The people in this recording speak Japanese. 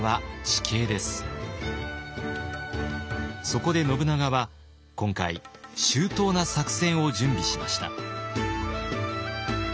そこで信長は今回周到な作戦を準備しました。